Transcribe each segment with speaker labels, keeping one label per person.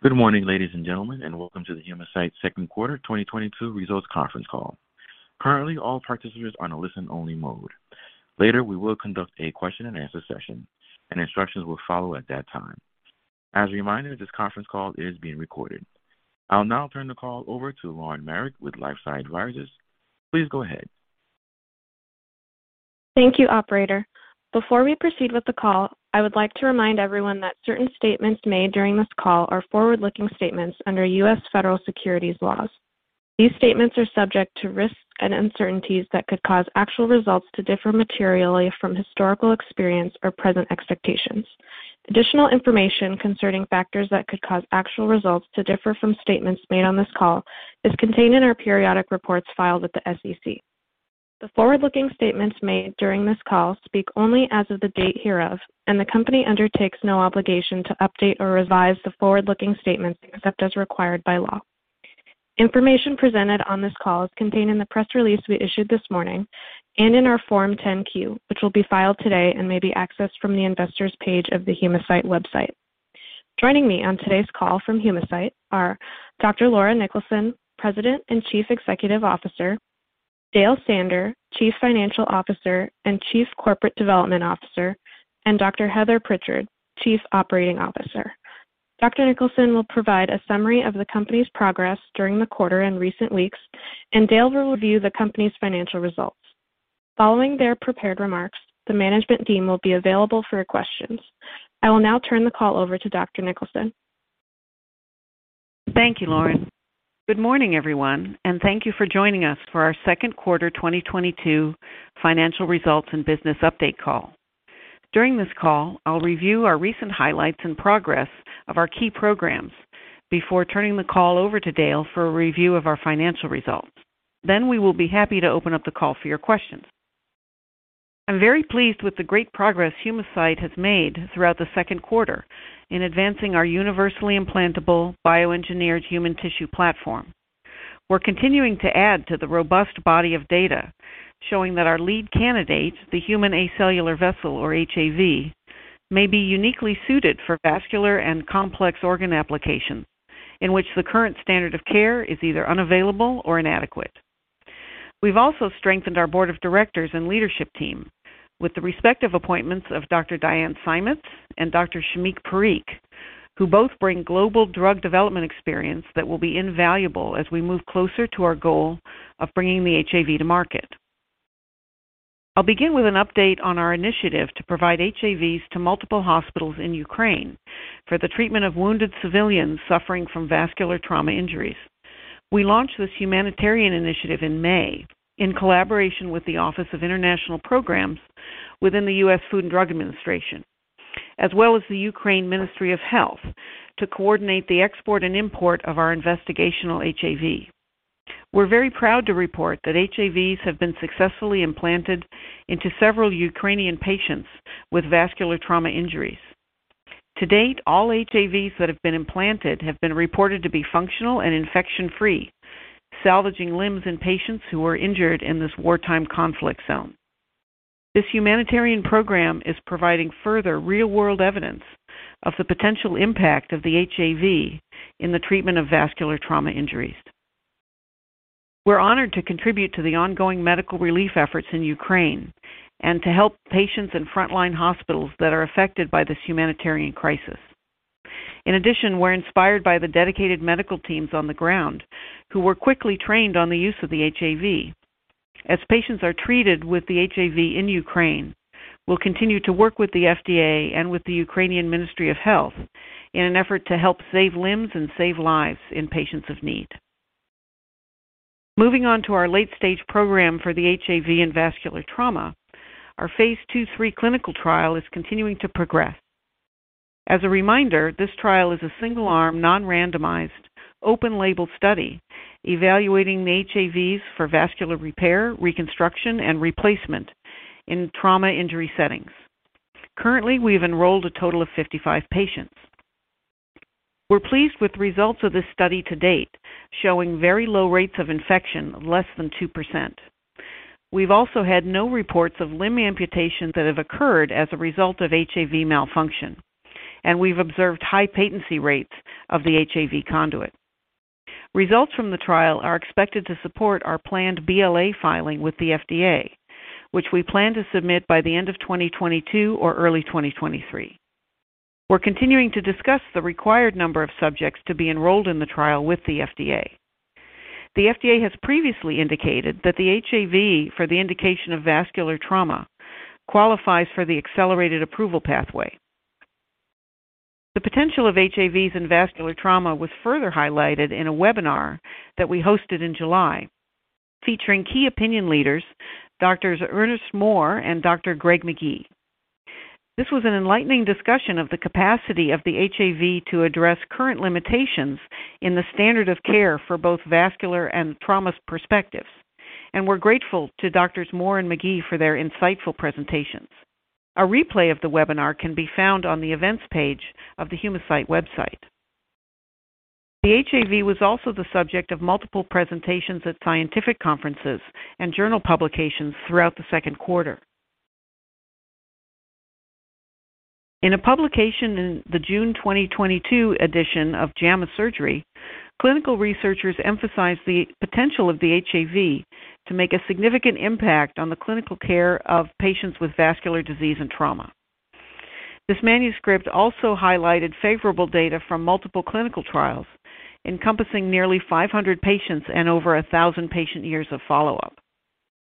Speaker 1: Good morning, ladies and gentlemen, and welcome to the Humacyte Second Quarter 2022 Results Conference Call. Currently, all participants are on a listen-only mode. Later, we will conduct a question-and-answer session, and instructions will follow at that time. As a reminder, this conference call is being recorded. I'll now turn the call over to Lauren Marek with LifeSci Advisors. Please go ahead.
Speaker 2: Thank you, operator. Before we proceed with the call, I would like to remind everyone that certain statements made during this call are forward-looking statements under U.S. federal securities laws. These statements are subject to risks and uncertainties that could cause actual results to differ materially from historical experience or present expectations. Additional information concerning factors that could cause actual results to differ from statements made on this call is contained in our periodic reports filed with the SEC. The forward-looking statements made during this call speak only as of the date hereof, and the company undertakes no obligation to update or revise the forward-looking statements except as required by law. Information presented on this call is contained in the press release we issued this morning and in our Form 10-Q, which will be filed today and may be accessed from the investor's page of the Humacyte website. Joining me on today's call from Humacyte are Dr. Laura Niklason, President and Chief Executive Officer, Dale Sander, Chief Financial Officer and Chief Corporate Development Officer, and Dr. Heather Prichard, Chief Operating Officer. Dr. Laura Niklason will provide a summary of the company's progress during the quarter and recent weeks, and Dale will review the company's financial results. Following their prepared remarks, the management team will be available for your questions. I will now turn the call over to Dr. Laura Niklason.
Speaker 3: Thank you, Lauren. Good morning, everyone, and thank you for joining us for our second quarter 2022 financial results and business update call. During this call, I'll review our recent highlights and progress of our key programs before turning the call over to Dale for a review of our financial results. We will be happy to open up the call for your questions. I'm very pleased with the great progress Humacyte has made throughout the second quarter in advancing our universally implantable bioengineered human tissue platform. We're continuing to add to the robust body of data showing that our lead candidate, the Human Acellular Vessel or HAV, may be uniquely suited for vascular and complex organ applications in which the current standard of care is either unavailable or inadequate. We've also strengthened our board of directors and leadership team with the respective appointments of Dr. Diane Seimetz and Dr. Shamik Parikh, who both bring global drug development experience that will be invaluable as we move closer to our goal of bringing the HAV to market. I'll begin with an update on our initiative to provide HAVs to multiple hospitals in Ukraine for the treatment of wounded civilians suffering from vascular trauma injuries. We launched this humanitarian initiative in May in collaboration with the Office of International Programs within the U.S. Food and Drug Administration, as well as the Ministry of Health of Ukraine, to coordinate the export and import of our investigational HAV. We're very proud to report that HAVs have been successfully implanted into several Ukrainian patients with vascular trauma injuries. To date, all HAVs that have been implanted have been reported to be functional and infection-free, salvaging limbs in patients who were injured in this wartime conflict zone. This humanitarian program is providing further real-world evidence of the potential impact of the HAV in the treatment of vascular trauma injuries. We're honored to contribute to the ongoing medical relief efforts in Ukraine and to help patients in frontline hospitals that are affected by this humanitarian crisis. In addition, we're inspired by the dedicated medical teams on the ground who were quickly trained on the use of the HAV. As patients are treated with the HAV in Ukraine, we'll continue to work with the FDA and with the Ministry of Health of Ukraine in an effort to help save limbs and save lives in patients of need. Moving on to our late-stage program for the HAV and vascular trauma. Our phase II/III clinical trial is continuing to progress. As a reminder, this trial is a single-arm, non-randomized, open-label study evaluating the HAVs for vascular repair, reconstruction, and replacement in trauma injury settings. Currently, we have enrolled a total of 55 patients. We're pleased with results of this study to date, showing very low rates of infection, less than 2%. We've also had no reports of limb amputations that have occurred as a result of HAV malfunction, and we've observed high patency rates of the HAV conduit. Results from the trial are expected to support our planned BLA filing with the FDA, which we plan to submit by the end of 2022 or early 2023. We're continuing to discuss the required number of subjects to be enrolled in the trial with the FDA. The FDA has previously indicated that the HAV for the indication of vascular trauma qualifies for the accelerated approval pathway. The potential of HAVs in vascular trauma was further highlighted in a webinar that we hosted in July featuring key opinion leaders, Doctors Ernest Moore and Dr. Greg Magee. This was an enlightening discussion of the capacity of the HAV to address current limitations in the standard of care for both vascular and trauma perspectives, and we're grateful to Doctors Moore and Magee for their insightful presentations. A replay of the webinar can be found on the events page of the Humacyte website. The HAV was also the subject of multiple presentations at scientific conferences and journal publications throughout the second quarter. In a publication in the June 2022 edition of JAMA Surgery, clinical researchers emphasized the potential of the HAV to make a significant impact on the clinical care of patients with vascular disease and trauma. This manuscript also highlighted favorable data from multiple clinical trials encompassing nearly 500 patients and over 1,000 patient years of follow-up.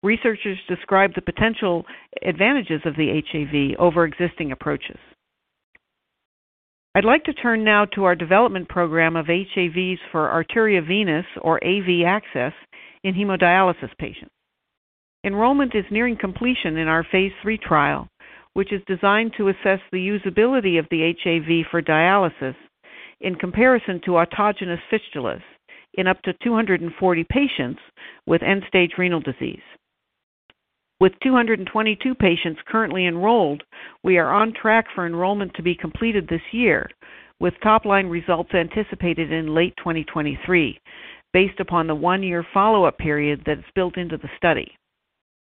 Speaker 3: Researchers described the potential advantages of the HAV over existing approaches. I'd like to turn now to our development program of HAVs for arteriovenous, or AV access, in hemodialysis patients. Enrollment is nearing completion in our phase III trial, which is designed to assess the usability of the HAV for dialysis in comparison to autogenous fistulas in up to 240 patients with end-stage renal disease. With 222 patients currently enrolled, we are on track for enrollment to be completed this year, with top-line results anticipated in late 2023 based upon the one year follow-up period that's built into the study.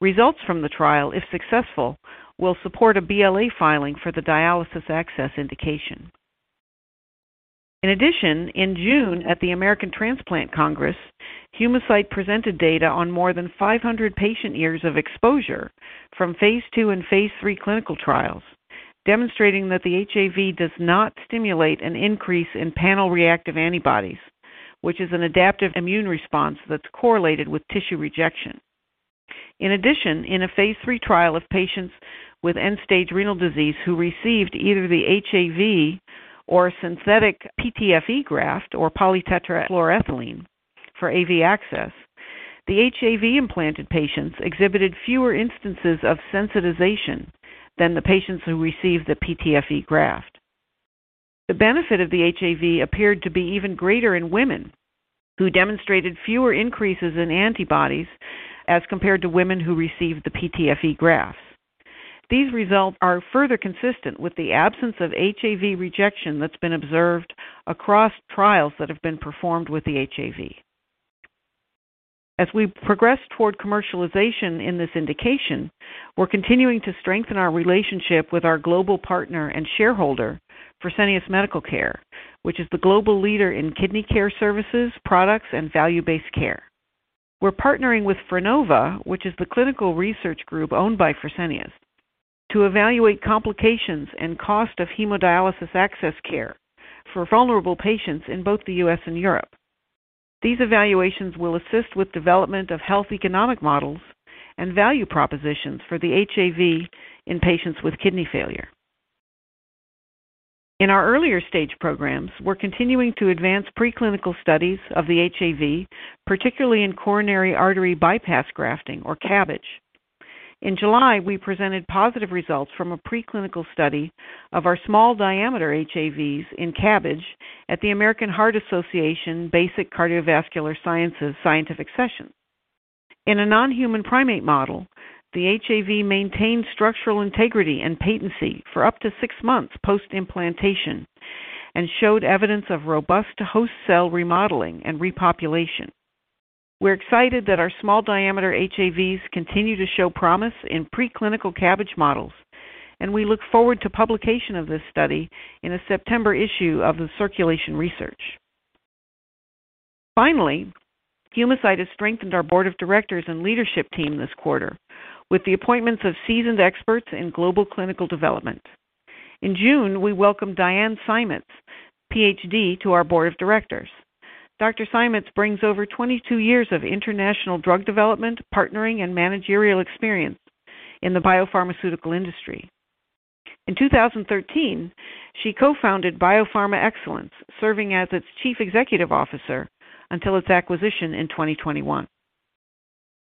Speaker 3: Results from the trial, if successful, will support a BLA filing for the dialysis access indication. In addition, in June at the American Transplant Congress, Humacyte presented data on more than 500 patient years of exposure from phase II and phase III clinical trials, demonstrating that the HAV does not stimulate an increase in panel reactive antibodies, which is an adaptive immune response that's correlated with tissue rejection. In addition, in a phase III trial of patients with end-stage renal disease who received either the HAV or a synthetic PTFE graft or polytetrafluoroethylene for AV access, the HAV-implanted patients exhibited fewer instances of sensitization than the patients who received the PTFE graft. The benefit of the HAV appeared to be even greater in women, who demonstrated fewer increases in antibodies as compared to women who received the PTFE grafts. These results are further consistent with the absence of HAV rejection that's been observed across trials that have been performed with the HAV. As we progress toward commercialization in this indication, we're continuing to strengthen our relationship with our global partner and shareholder, Fresenius Medical Care, which is the global leader in kidney care services, products, and value-based care. We're partnering with Frenova, which is the clinical research group owned by Fresenius, to evaluate complications and cost of hemodialysis access care for vulnerable patients in both the U.S. and Europe. These evaluations will assist with development of health economic models and value propositions for the HAV in patients with kidney failure. In our earlier stage programs, we're continuing to advance preclinical studies of the HAV, particularly in coronary artery bypass grafting or CABG. In July, we presented positive results from a preclinical study of our small diameter HAVs in CABG at the American Heart Association Basic Cardiovascular Sciences Scientific Sessions. In a non-human primate model, the HAV maintained structural integrity and patency for up to six months post-implantation and showed evidence of robust host cell remodeling and repopulation. We're excited that our small diameter HAVs continue to show promise in preclinical CABG models, and we look forward to publication of this study in the September issue of the Circulation Research. Finally, Humacyte has strengthened our board of directors and leadership team this quarter with the appointments of seasoned experts in global clinical development. In June, we welcomed Diane Seimetz, PhD, to our board of directors. Dr. Seimetz brings over 22 years of international drug development, partnering, and managerial experience in the biopharmaceutical industry. In 2013, she co-founded Biopharma Excellence, serving as its chief executive officer until its acquisition in 2021.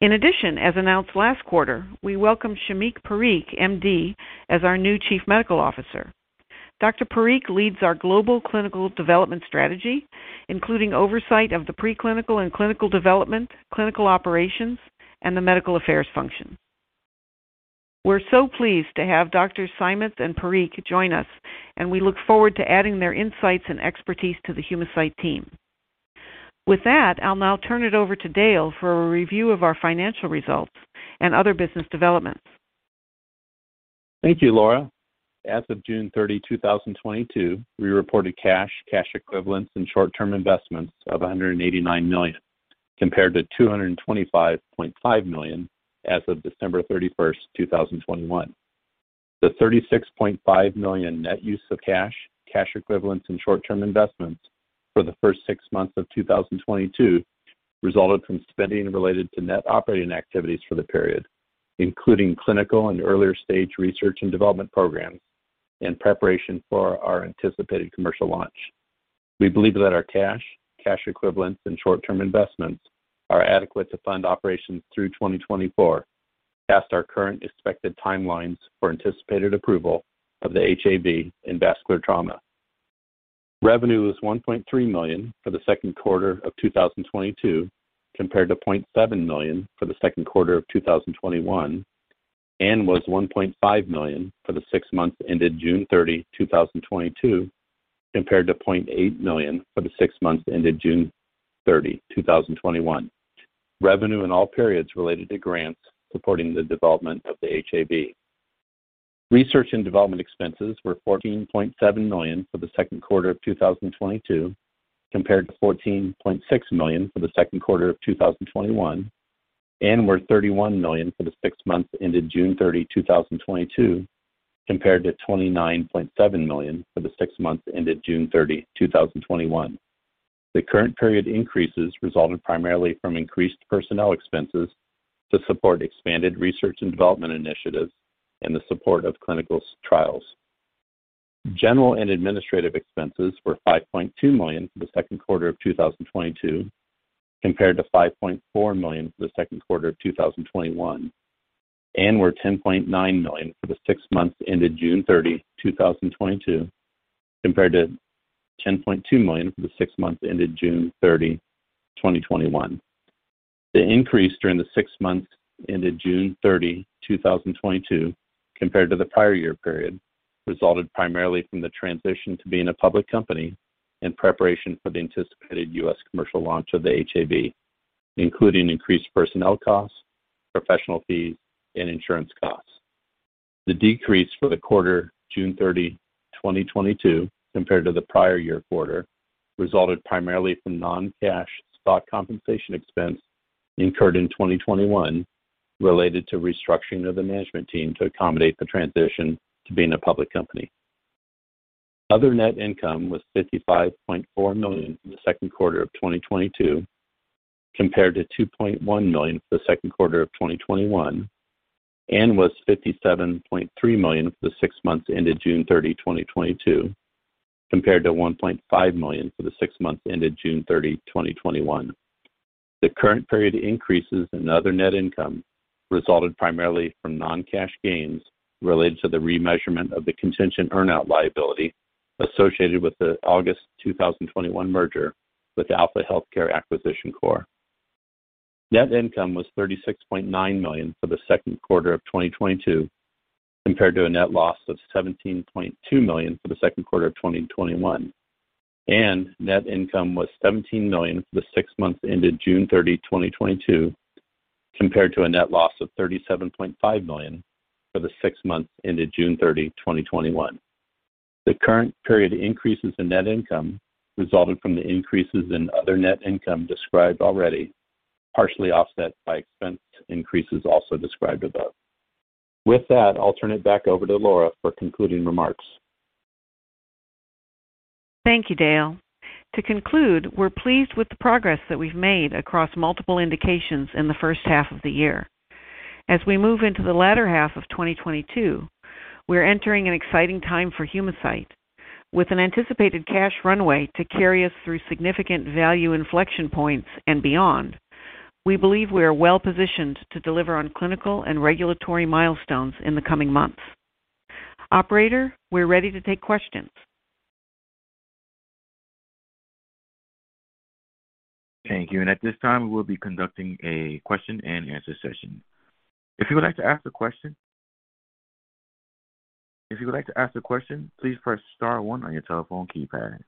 Speaker 3: In addition, as announced last quarter, we welcomed Shamik Parikh, MD, as our new chief medical officer. Dr. Parikh leads our global clinical development strategy, including oversight of the preclinical and clinical development, clinical operations, and the medical affairs function. We're so pleased to have Drs. Seimetz and Parikh join us, and we look forward to adding their insights and expertise to the Humacyte team. With that, I'll now turn it over to Dale for a review of our financial results and other business developments.
Speaker 4: Thank you, Laura. As of June 30, 2022, we reported cash equivalents, and short-term investments of $189 million, compared to $225.5 million as of December 31, 2021. The $36.5 million net use of cash equivalents, and short-term investments for the first six months of 2022 resulted from spending related to net operating activities for the period, including clinical and earlier stage research and development programs in preparation for our anticipated commercial launch. We believe that our cash equivalents, and short-term investments are adequate to fund operations through 2024, past our current expected timelines for anticipated approval of the HAV in vascular trauma. Revenue was $1.3 million for the second quarter of 2022, compared to $0.7 million for the second quarter of 2021, and was $1.5 million for the six months ended June 30, 2022, compared to $0.8 million for the six months ended June 30, 2021. Revenue in all periods related to grants supporting the development of the HAV. Research and development expenses were $14.7 million for the second quarter of 2022, compared to $14.6 million for the second quarter of 2021, and were $31 million for the six months ended June 30, 2022, compared to $29.7 million for the six months ended June 30, 2021. The current period increases resulted primarily from increased personnel expenses to support expanded research and development initiatives and the support of clinical trials. General and administrative expenses were $5.2 million for the second quarter of 2022, compared to $5.4 million for the second quarter of 2021, and were $10.9 million for the six months ended June 30, 2022, compared to $10.2 million for the six months ended June 30, 2021. The increase during the six months ended June 30, 2022 compared to the prior year period resulted primarily from the transition to being a public company in preparation for the anticipated U.S. commercial launch of the HAV, including increased personnel costs, professional fees, and insurance costs. The decrease for the quarter June 30, 2022 compared to the prior year quarter resulted primarily from non-cash stock compensation expense incurred in 2021 related to restructuring of the management team to accommodate the transition to being a public company. Other net income was $55.4 million in the second quarter of 2022, compared to $2.1 million for the second quarter of 2021, and was $57.3 million for the six months ended June 30, 2022, compared to $1.5 million for the six months ended June 30, 2021. The current period increases in other net income resulted primarily from non-cash gains related to the remeasurement of the contingent earn-out liability associated with the August 2021 merger with Alpha Healthcare Acquisition Corp. Net income was $36.9 million for the second quarter of 2022, compared to a net loss of $17.2 million for the second quarter of 2021, and net income was $17 million for the six months ended June 30, 2022, compared to a net loss of $37.5 million for the six months ended June 30, 2021. The current period increases in net income resulted from the increases in other net income described already, partially offset by expense increases also described above. With that, I'll turn it back over to Laura for concluding remarks.
Speaker 3: Thank you, Dale. To conclude, we're pleased with the progress that we've made across multiple indications in the first half of the year. As we move into the latter half of 2022, we're entering an exciting time for Humacyte. With an anticipated cash runway to carry us through significant value inflection points and beyond, we believe we are well-positioned to deliver on clinical and regulatory milestones in the coming months. Operator, we're ready to take questions.
Speaker 1: Thank you. At this time, we'll be conducting a question and answer session. If you would like to ask a question, please press star one on your telephone keypad.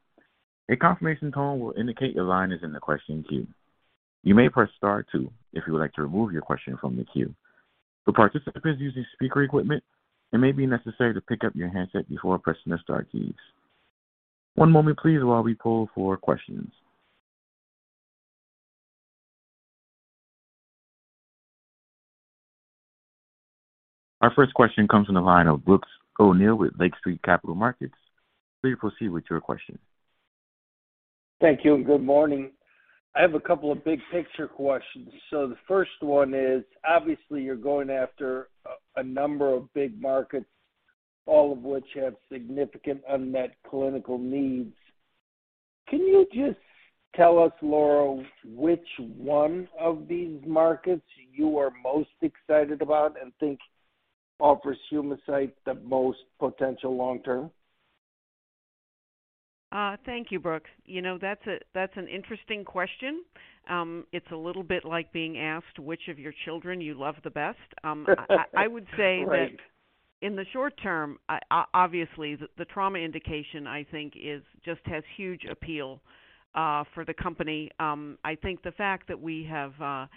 Speaker 1: A confirmation tone will indicate your line is in the question queue. You may press star two if you would like to remove your question from the queue. For participants using speaker equipment, it may be necessary to pick up your handset before pressing the star keys. One moment please while we poll for questions. Our first question comes from the line of Brooks O'Neil with Lake Street Capital Markets. Please proceed with your question.
Speaker 5: Thank you, and good morning. I have a couple of big picture questions. The first one is, obviously you're going after a number of big markets, all of which have significant unmet clinical needs. Can you just tell us, Laura, which one of these markets you are most excited about and think offers Humacyte the most potential long term?
Speaker 3: Thank you, Brooks. You know, that's an interesting question. It's a little bit like being asked which of your children you love the best.
Speaker 5: Right.
Speaker 3: I would say that in the short term, obviously the trauma indication, I think it just has huge appeal for the company. I think the fact that we have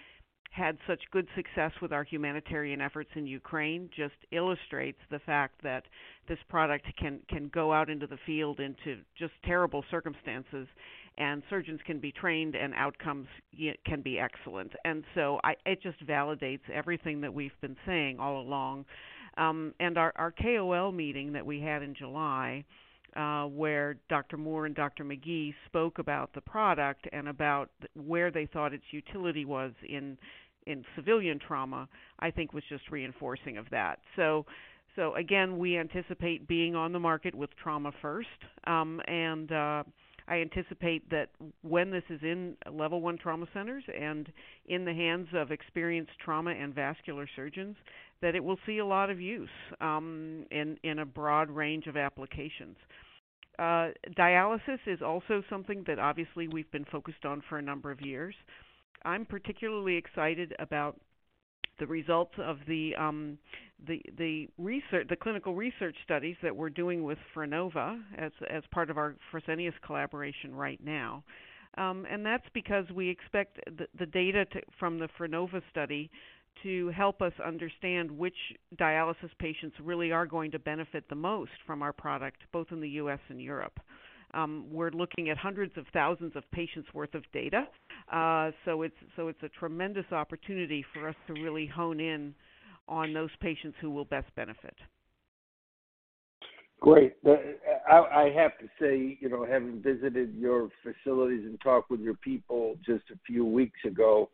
Speaker 3: had such good success with our humanitarian efforts in Ukraine just illustrates the fact that this product can go out into the field into just terrible circumstances, and surgeons can be trained and outcomes can be excellent. It just validates everything that we've been saying all along. Our KOL meeting that we had in July, where Dr. Moore and Dr. Magee spoke about the product and about where they thought its utility was in civilian trauma, I think was just reinforcing of that. Again, we anticipate being on the market with trauma first. I anticipate that when this is in level one trauma centers and in the hands of experienced trauma and vascular surgeons, that it will see a lot of use in a broad range of applications. Dialysis is also something that obviously we've been focused on for a number of years. I'm particularly excited about the results of the clinical research studies that we're doing with Frenova as part of our Fresenius collaboration right now. That's because we expect the data from the Frenova study to help us understand which dialysis patients really are going to benefit the most from our product, both in the U.S. and Europe. We're looking at hundreds of thousands of patients worth of data. It's a tremendous opportunity for us to really hone in on those patients who will best benefit.
Speaker 5: Great. I have to say, you know, having visited your facilities and talked with your people just a few weeks ago,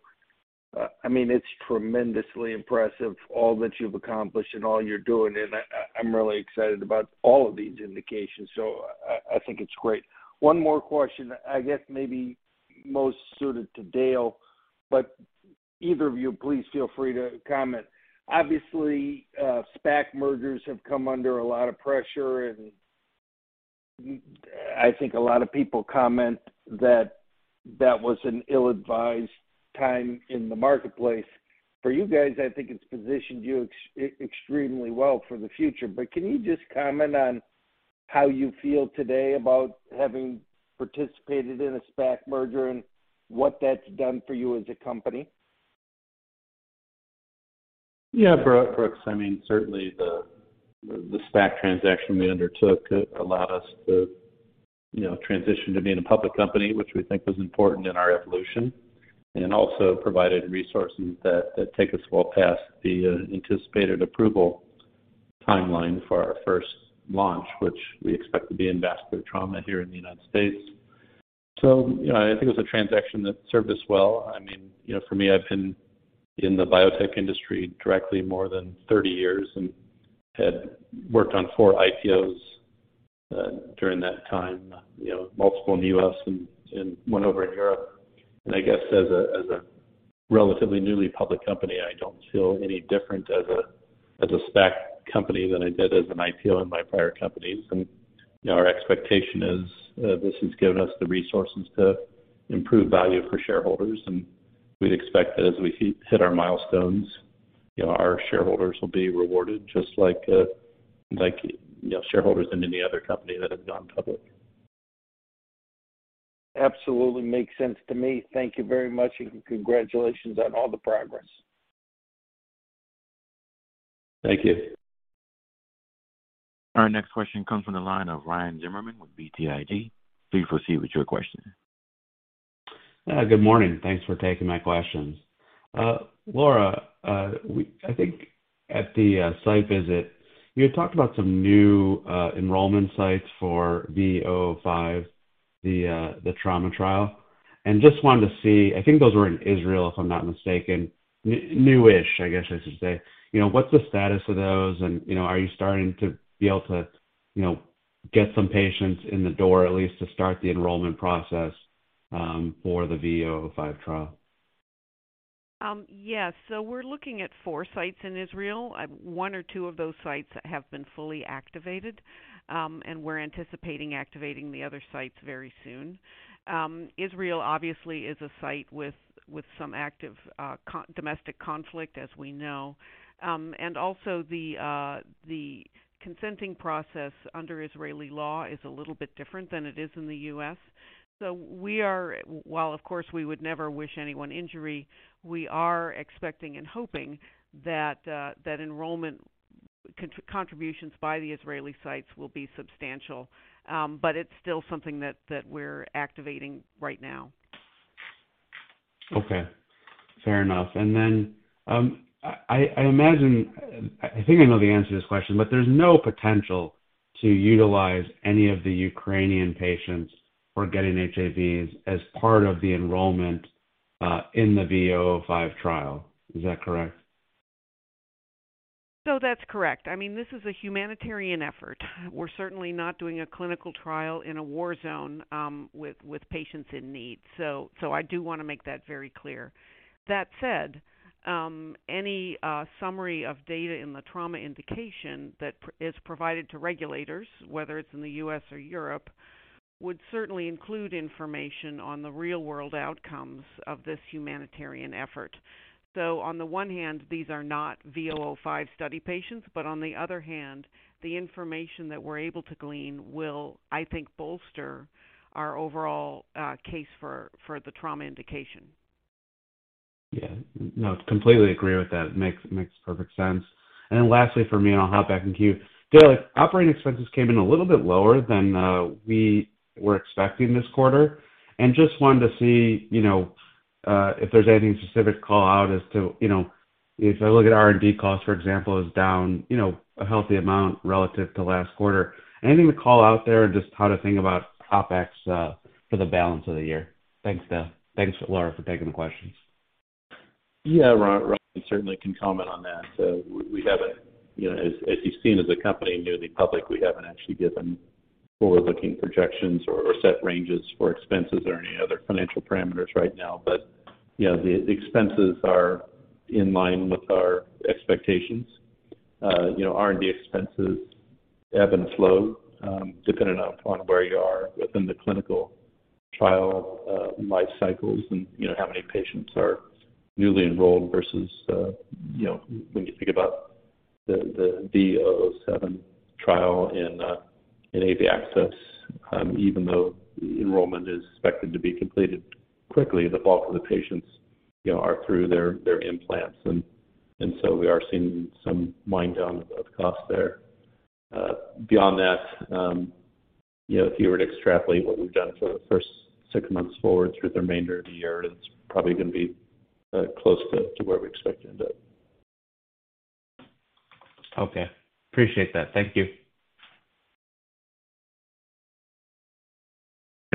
Speaker 5: I mean, it's tremendously impressive, all that you've accomplished and all you're doing, and I'm really excited about all of these indications. I think it's great. One more question. I guess maybe most suited to Dale, but either of you, please feel free to comment. Obviously, SPAC mergers have come under a lot of pressure, and I think a lot of people comment that that was an ill-advised time in the marketplace. For you guys, I think it's positioned you extremely well for the future. Can you just comment on how you feel today about having participated in a SPAC merger and what that's done for you as a company?
Speaker 4: Yeah, Brooks, I mean, certainly the SPAC transaction we undertook allowed us to, you know, transition to being a public company, which we think was important in our evolution, and also provided resources that take us well past the anticipated approval timeline for our first launch, which we expect to be in vascular trauma here in the United States. You know, I think it was a transaction that served us well. I mean, you know, for me, I've been in the biotech industry directly more than 30 years and had worked on four IPOs during that time, you know, multiple in the U.S. and one over in Europe. I guess as a relatively newly public company, I don't feel any different as a SPAC company than I did as an IPO in my prior companies. You know, our expectation is, this has given us the resources to improve value for shareholders, and we'd expect that as we hit our milestones, you know, our shareholders will be rewarded just like, you know, shareholders in any other company that have gone public.
Speaker 5: Absolutely makes sense to me. Thank you very much, and congratulations on all the progress.
Speaker 4: Thank you.
Speaker 1: Our next question comes from the line of Ryan Zimmerman with BTIG. Please proceed with your question.
Speaker 6: Good morning. Thanks for taking my questions. Laura, I think at the site visit, you had talked about some new enrollment sites for V005, the trauma trial. Just wanted to see, I think those were in Israel, if I'm not mistaken, new-ish, I guess I should say. You know, what's the status of those, and, you know, are you starting to be able to, you know, get some patients in the door at least to start the enrollment process, for the V005 trial?
Speaker 3: Yes. We're looking at four sites in Israel. One or two of those sites have been fully activated, and we're anticipating activating the other sites very soon. Israel obviously is a site with some active domestic conflict, as we know. Also the consenting process under Israeli law is a little bit different than it is in the U.S. We are, while of course, we would never wish anyone injury, we are expecting and hoping that enrollment contributions by the Israeli sites will be substantial. It's still something that we're activating right now.
Speaker 6: Okay, fair enough. I imagine I think I know the answer to this question, but there's no potential to utilize any of the Ukrainian patients for getting HAVs as part of the enrollment in the V005 trial. Is that correct?
Speaker 3: That's correct. I mean, this is a humanitarian effort. We're certainly not doing a clinical trial in a war zone, with patients in need. I do wanna make that very clear. That said, any summary of data in the trauma indication that is provided to regulators, whether it's in the U.S. or Europe, would certainly include information on the real-world outcomes of this humanitarian effort. On the one hand, these are not V005 study patients, but on the other hand, the information that we're able to glean will, I think, bolster our overall case for the trauma indication.
Speaker 6: Yeah. No, completely agree with that. Makes perfect sense. Then lastly for me, and I'll hop back in the queue. Dale, operating expenses came in a little bit lower than we were expecting this quarter. Just wanted to see, you know, if there's any specific call-out as to, you know, if I look at R&D costs, for example, is down, you know, a healthy amount relative to last quarter. Anything to call out there, just how to think about OpEx for the balance of the year? Thanks, Dale. Thanks, Laura, for taking the questions.
Speaker 4: Yeah, Ryan, certainly can comment on that. We haven't, you know, as you've seen as a company newly public, we haven't actually given forward-looking projections or set ranges for expenses or any other financial parameters right now. You know, the expenses are in line with our expectations. You know, R&D expenses ebb and flow, depending on where you are within the clinical trial life cycles and, you know, how many patients are newly enrolled versus, you know, when you think about the V007 trial in AV access, even though enrollment is expected to be completed quickly, the bulk of the patients, you know, are through their implants and so we are seeing some wind down of cost there. Beyond that, you know, if you were to extrapolate what we've done for the first six months forward through the remainder of the year, it's probably gonna be close to where we expect to end up.
Speaker 6: Okay. Appreciate that. Thank you.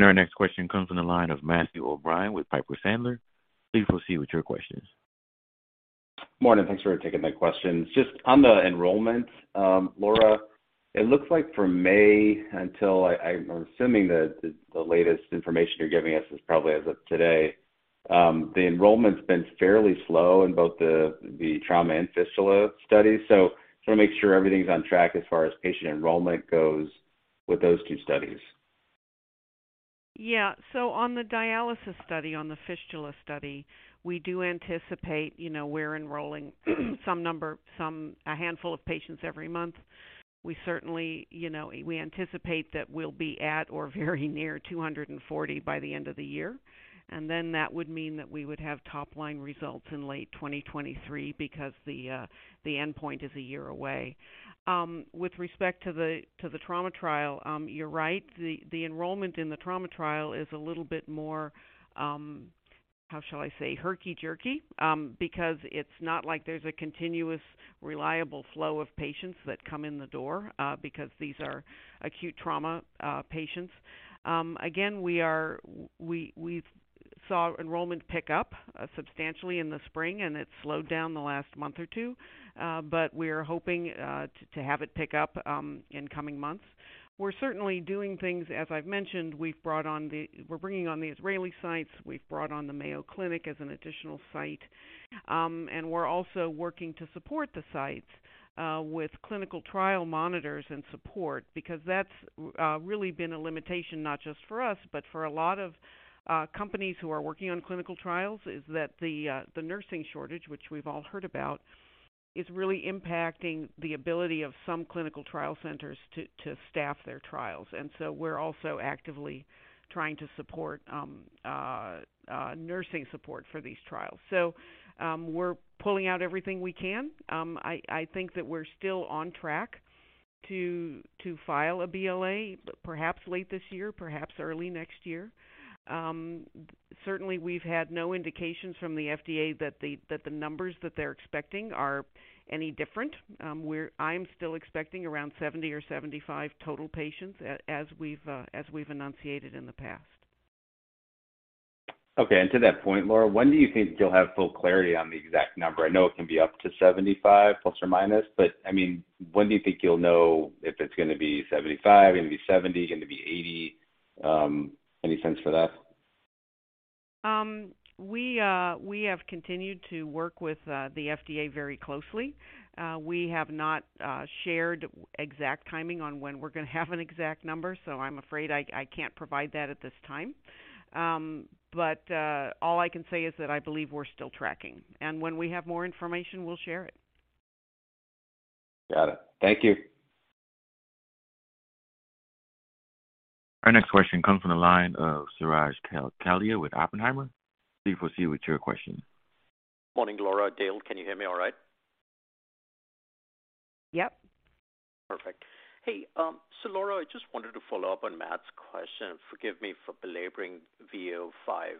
Speaker 1: Our next question comes from the line of Matthew O'Brien with Piper Sandler. Please proceed with your questions.
Speaker 7: Morning. Thanks for taking my questions. Just on the enrollment, Laura, it looks like from May until now, I'm assuming that the latest information you're giving us is probably as of today, the enrollment's been fairly slow in both the trauma and fistula studies. Just wanna make sure everything's on track as far as patient enrollment goes with those two studies.
Speaker 3: Yeah. On the dialysis study, on the fistula study, we do anticipate, you know, we're enrolling a handful of patients every month. We certainly, you know, we anticipate that we'll be at or very near 240 by the end of the year, and then that would mean that we would have top line results in late 2023 because the endpoint is a year away. With respect to the trauma trial, you're right. The enrollment in the trauma trial is a little bit more, how shall I say, herky-jerky, because it's not like there's a continuous reliable flow of patients that come in the door, because these are acute trauma patients. Again, we are We saw enrollment pick up substantially in the spring, and it slowed down the last month or two, but we're hoping to have it pick up in coming months. We're certainly doing things, as I've mentioned, we're bringing on the Israeli sites. We've brought on the Mayo Clinic as an additional site. We're also working to support the sites with clinical trial monitors and support because that's really been a limitation not just for us, but for a lot of companies who are working on clinical trials is that the nursing shortage, which we've all heard about, is really impacting the ability of some clinical trial centers to staff their trials. We're also actively trying to support nursing support for these trials. We're pulling out everything we can. I think that we're still on track to file a BLA perhaps late this year, perhaps early next year. Certainly we've had no indications from the FDA that the numbers that they're expecting are any different. I'm still expecting around 70 or 75 total patients as we've enunciated in the past.
Speaker 7: Okay. To that point, Laura, when do you think you'll have full clarity on the exact number? I know it can be up to 75 ±, but, I mean, when do you think you'll know if it's gonna be 75, gonna be 70, gonna be 80? Any sense for that?
Speaker 3: We have continued to work with the FDA very closely. We have not shared exact timing on when we're gonna have an exact number, so I'm afraid I can't provide that at this time. All I can say is that I believe we're still tracking, and when we have more information, we'll share it.
Speaker 7: Got it. Thank you.
Speaker 1: Our next question comes from the line of Suraj Kalia with Oppenheimer. Please proceed with your question.
Speaker 8: Morning, Laura, Dale. Can you hear me all right?
Speaker 3: Yep.
Speaker 8: Perfect. Hey, Laura, I just wanted to follow up on Matt's question. Forgive me for belaboring V005.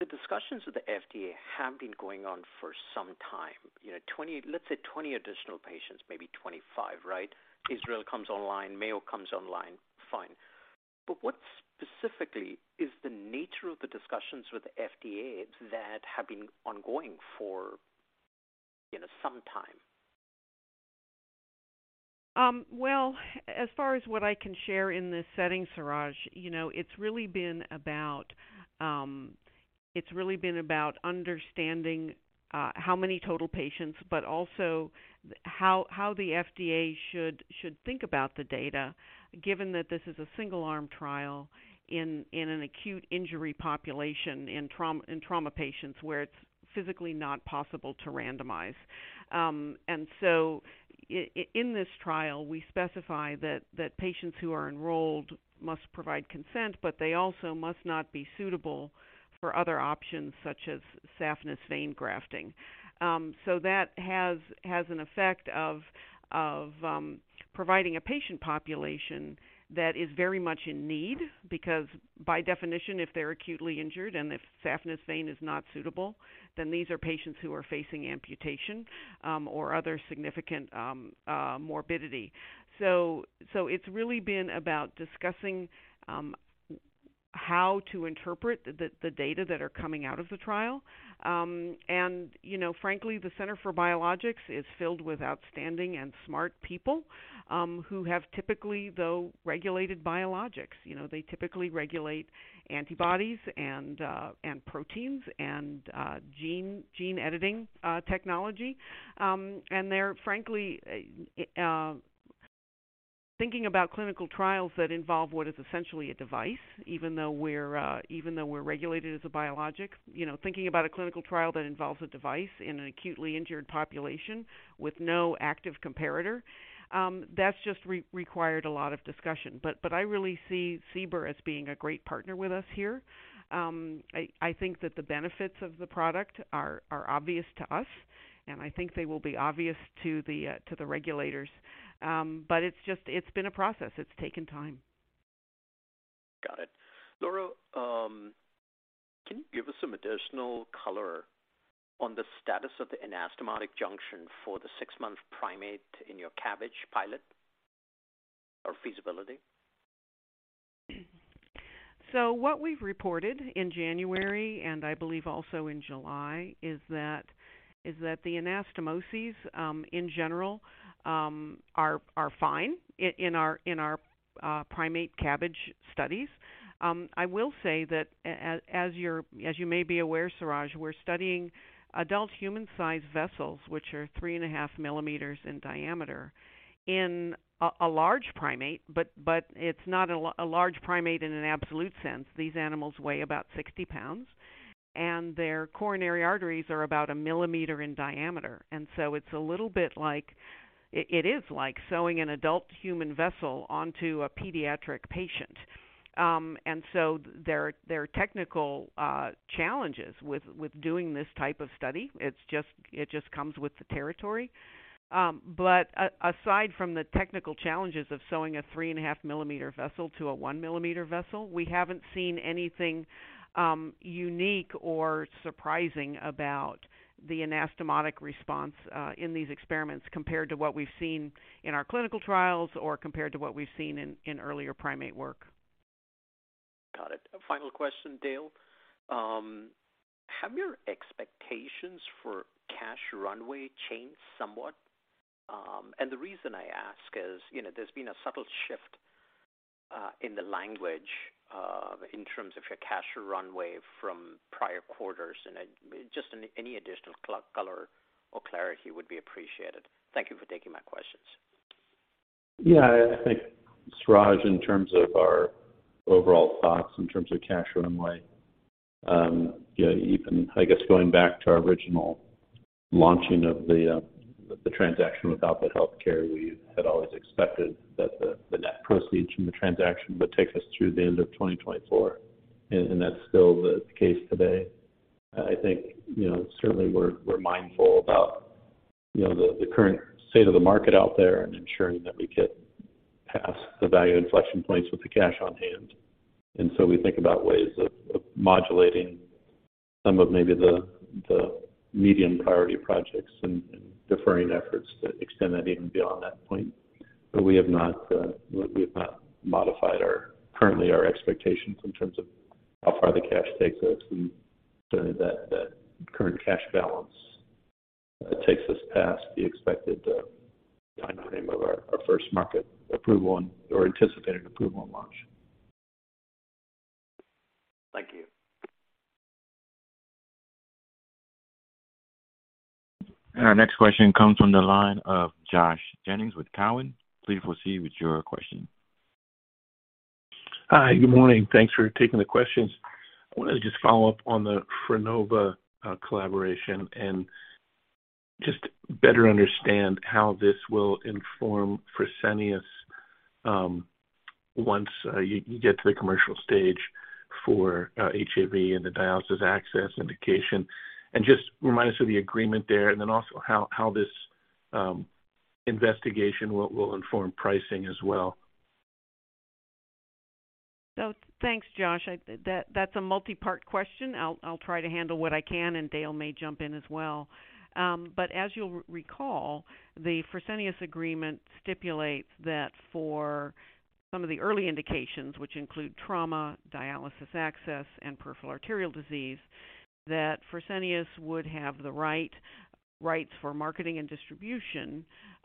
Speaker 8: The discussions with the FDA have been going on for some time. You know, 20, let's say 20 additional patients, maybe 25, right? Israel comes online, Mayo comes online, fine. What specifically is the nature of the discussions with the FDA that have been ongoing for, you know, some time?
Speaker 3: Well, as far as what I can share in this setting, Suraj, you know, it's really been about understanding how many total patients, but also how the FDA should think about the data given that this is a single-arm trial in an acute injury population in trauma patients where it's physically not possible to randomize. In this trial, we specify that patients who are enrolled must provide consent, but they also must not be suitable for other options such as saphenous vein grafting. That has an effect of providing a patient population that is very much in need because by definition, if they're acutely injured and if saphenous vein is not suitable, then these are patients who are facing amputation or other significant morbidity. It's really been about discussing how to interpret the data that are coming out of the trial. You know, frankly, the Center for Biologics is filled with outstanding and smart people who have typically, though, regulated biologics. You know, they typically regulate antibodies and proteins and gene editing technology. They're frankly thinking about clinical trials that involve what is essentially a device, even though we're regulated as a biologic. You know, thinking about a clinical trial that involves a device in an acutely injured population with no active comparator, that's just required a lot of discussion. I really see CBER as being a great partner with us here. I think that the benefits of the product are obvious to us, and I think they will be obvious to the regulators. It's been a process. It's taken time.
Speaker 8: Got it. Laura, can you give us some additional color on the status of the anastomotic junction for the six-month primate in your CABG pilot or feasibility?
Speaker 3: What we've reported in January, and I believe also in July, is that the anastomoses in general are fine in our primate CABG studies. I will say that as you're, as you may be aware, Suraj, we're studying adult human-sized vessels, which are 3.5 millimeters in diameter in a large primate, but it's not a large primate in an absolute sense. These animals weigh about 60 pounds, and their coronary arteries are about 1 millimeter in diameter. It's a little bit like sewing an adult human vessel onto a pediatric patient. There are technical challenges with doing this type of study. It just comes with the territory. Aside from the technical challenges of sewing a 3.5-millimeter vessel to a 1-millimeter vessel, we haven't seen anything unique or surprising about the anastomotic response in these experiments compared to what we've seen in our clinical trials or compared to what we've seen in earlier primate work.
Speaker 8: Got it. Final question, Dale. Have your expectations for cash runway changed somewhat? The reason I ask is, you know, there's been a subtle shift in the language in terms of your cash runway from prior quarters, and just any additional color or clarity would be appreciated. Thank you for taking my questions.
Speaker 4: Yeah, I think, Suraj, in terms of our overall thoughts in terms of cash runway, you know, even, I guess, going back to our original launching of the transaction with Alpha Healthcare, we had always expected that the net proceeds from the transaction would take us through the end of 2024, and that's still the case today. I think, you know, certainly we're mindful about the current state of the market out there and ensuring that we get past the value inflection points with the cash on hand. We think about ways of modulating some of maybe the medium priority projects and deferring efforts to extend that even beyond that point. We have not modified our current expectations in terms of how far the cash takes us. That current cash balance takes us past the expected timeframe of our first market approval and/or anticipated approval and launch.
Speaker 8: Thank you.
Speaker 1: Our next question comes from the line of Josh Jennings with TD Cowen. Please proceed with your question.
Speaker 9: Hi. Good morning. Thanks for taking the questions. I wanted to just follow up on the Frenova collaboration and just better understand how this will inform Fresenius once you get to the commercial stage for HAV and the dialysis access indication. Just remind us of the agreement there and then also how this investigation will inform pricing as well.
Speaker 3: Thanks, Josh. That's a multi-part question. I'll try to handle what I can, and Dale may jump in as well. As you'll recall, the Fresenius agreement stipulates that for some of the early indications, which include trauma, dialysis access, and peripheral arterial disease, that Fresenius would have the rights for marketing and distribution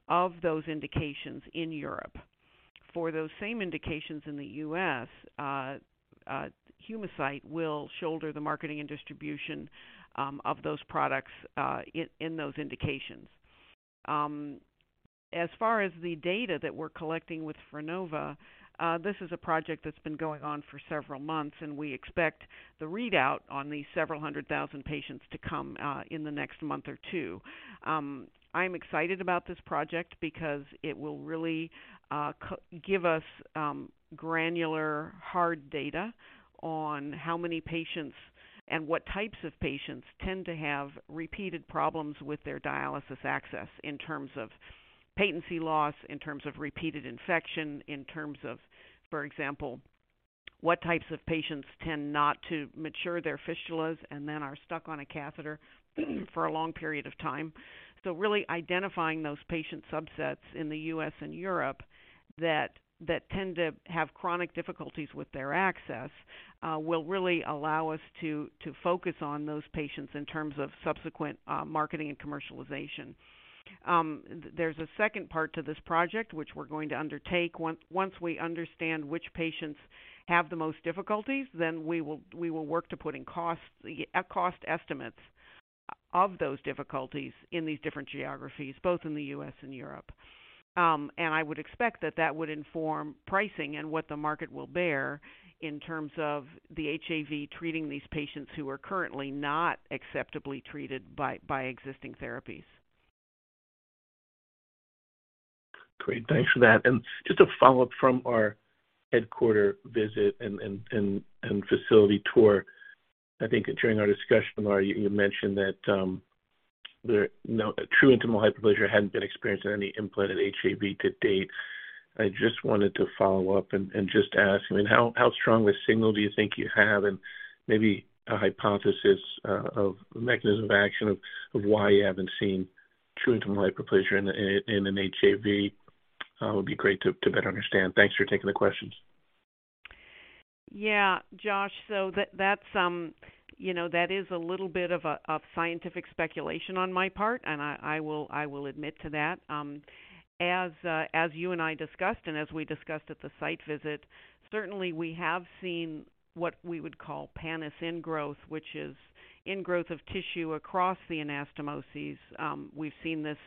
Speaker 3: of those indications in Europe. For those same indications in the U.S., Humacyte will shoulder the marketing and distribution of those products in those indications. As far as the data that we're collecting with Frenova, this is a project that's been going on for several months, and we expect the readout on these several hundred thousand patients to come in the next month or two. I'm excited about this project because it will really give us granular hard data on how many patients and what types of patients tend to have repeated problems with their dialysis access in terms of patency loss, in terms of repeated infection, in terms of, for example, what types of patients tend not to mature their fistulas and then are stuck on a catheter for a long period of time. Really identifying those patient subsets in the U.S. and Europe that tend to have chronic difficulties with their access will really allow us to focus on those patients in terms of subsequent marketing and commercialization. There's a second part to this project, which we're going to undertake. Once we understand which patients have the most difficulties, then we will work to putting cost estimates of those difficulties in these different geographies, both in the U.S. and Europe. I would expect that would inform pricing and what the market will bear in terms of the HAV treating these patients who are currently not acceptably treated by existing therapies.
Speaker 9: Great. Thanks for that. Just a follow-up from our headquarters visit and facility tour. I think during our discussion, Laura, you mentioned that no true intimal hyperplasia hadn't been experienced in any implanted HAV to date. I just wanted to follow up and just ask, I mean, how strong a signal do you think you have? Maybe a hypothesis of mechanism of action of why you haven't seen true intimal hyperplasia in an HAV would be great to better understand. Thanks for taking the questions.
Speaker 3: Yeah. Josh, that's, you know, that is a little bit of a scientific speculation on my part, and I will admit to that. As you and I discussed, and as we discussed at the site visit, certainly we have seen what we would call pannus ingrowth, which is ingrowth of tissue across the anastomosis. We've seen this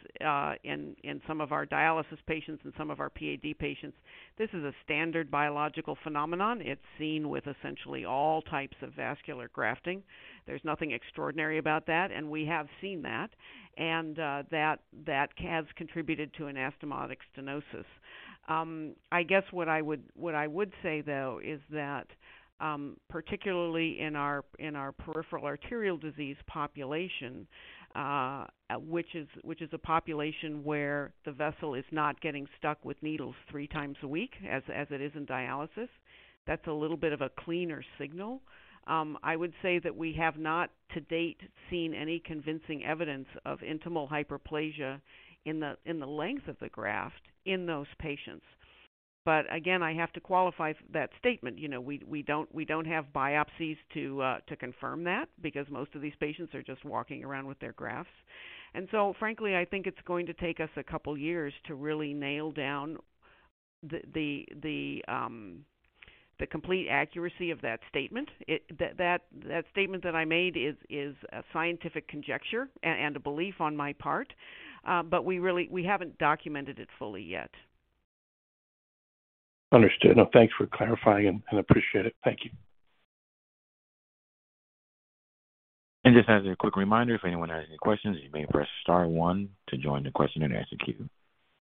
Speaker 3: in some of our dialysis patients and some of our PAD patients. This is a standard biological phenomenon. It's seen with essentially all types of vascular grafting. There's nothing extraordinary about that. And we have seen that, and that has contributed to anastomotic stenosis. I guess what I would say, though, is that, particularly in our peripheral arterial disease population, which is a population where the vessel is not getting stuck with needles three times a week, as it is in dialysis. That's a little bit of a cleaner signal. I would say that we have not to date seen any convincing evidence of intimal hyperplasia in the length of the graft in those patients. Again, I have to qualify that statement. You know, we don't have biopsies to confirm that because most of these patients are just walking around with their grafts. Frankly, I think it's going to take us a couple of years to really nail down the complete accuracy of that statement. That statement that I made is a scientific conjecture and a belief on my part. We haven't documented it fully yet.
Speaker 9: Understood. No, thanks for clarifying and appreciate it. Thank you.
Speaker 1: Just as a quick reminder, if anyone has any questions, you may press star one to join the question and answer queue.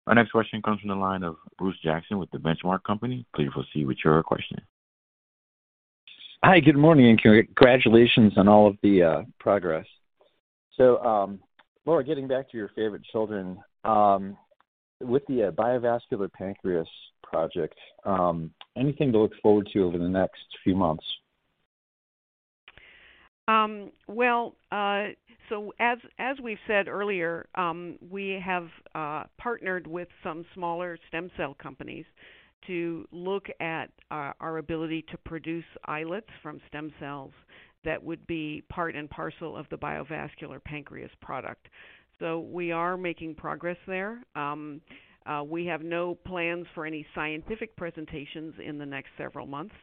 Speaker 1: Our next question comes from the line of Bruce Jackson with The Benchmark Company. Please proceed with your question.
Speaker 10: Hi. Good morning, and congratulations on all of the progress. Laura, getting back to your favorite children. With the BioVascular Pancreas project, anything to look forward to over the next few months?
Speaker 3: Well, we said earlier, we have partnered with some smaller stem cell companies to look at our ability to produce islets from stem cells that would be part and parcel of the BioVascular Pancreas product. We are making progress there. We have no plans for any scientific presentations in the next several months.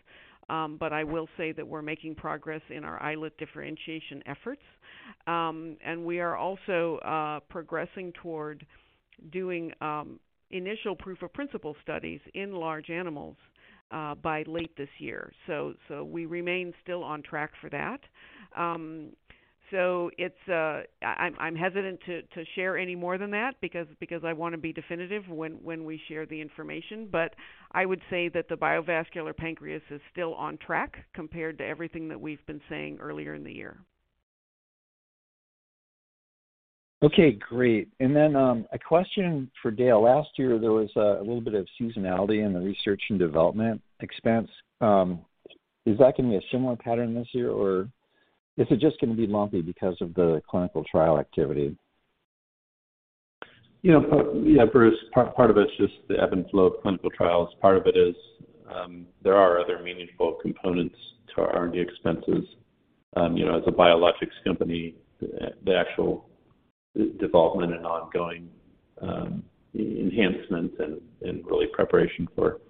Speaker 3: I will say that we're making progress in our islet differentiation efforts. We are also progressing toward doing initial proof of principle studies in large animals by late this year. We remain still on track for that. I'm hesitant to share any more than that because I want to be definitive when we share the information. I would say that the BioVascular Pancreas is still on track compared to everything that we've been saying earlier in the year.
Speaker 10: Okay, great. A question for Dale. Last year, there was a little bit of seasonality in the research and development expense. Is that gonna be a similar pattern this year, or is it just gonna be lumpy because of the clinical trial activity?
Speaker 4: You know, yeah, Bruce, part of it's just the ebb and flow of clinical trials. Part of it is, there are other meaningful components to our R&D expenses. You know, as a biologics company, the actual development and ongoing enhancements and really preparation for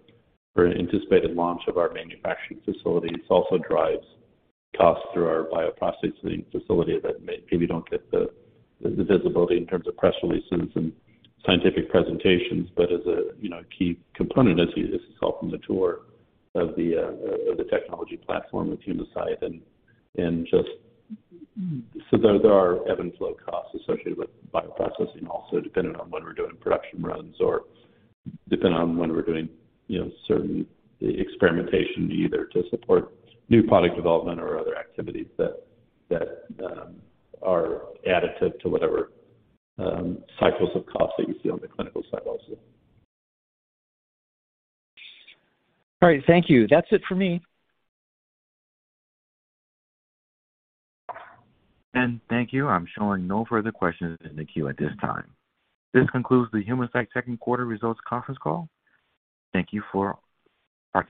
Speaker 4: an anticipated launch of our manufacturing facilities also drives costs through our bioprocessing facility that maybe don't get the visibility in terms of press releases and scientific presentations, but is a you know key component, as you just saw from the tour, of the technology platform at Humacyte. Just so there are ebb and flow costs associated with bioprocessing also depending on when we're doing production runs or depending on when we're doing, you know, certain experimentation either to support new product development or other activities that are additive to whatever cycles of costs that you see on the clinical side also.
Speaker 10: All right. Thank you. That's it for me.
Speaker 1: Thank you. I'm showing no further questions in the queue at this time. This concludes the Humacyte Second Quarter Results Conference Call. Thank you for participating.